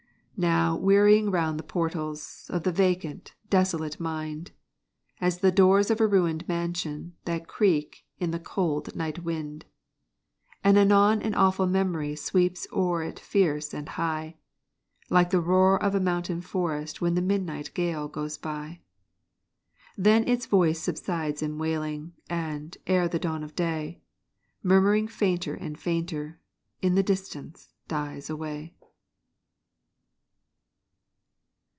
Now wearying round the portals Of the vacant, desolate mind As the doors of a ruined mansion, That creak in the cold night wind. And anon an awful memory Sweeps over it fierce and high Like the roar of a mountain forest When the midnight gale goes by. Then its voice subsides in wailing, And, ere the dawning of day, Murmuring fainter and fainter, In the distance dies away.